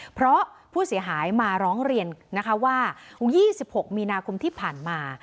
เพราะผู้เสียหายมาร้องเรียนนะคะว่า๒๖มีนาคมที่ผ่านมา